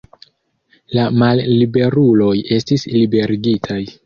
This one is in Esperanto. La malliberuloj estis liberigitaj.